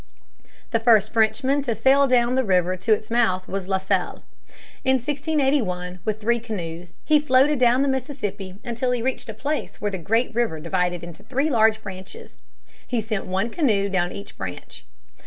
The first Frenchman to sail down the river to its mouth was La Salle. In 1681, with three canoes, he floated down the Mississippi, until he reached a place where the great river divided into three large branches. He sent one canoe down each branch.